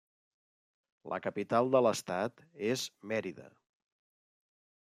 La capital de l'estat és Mérida.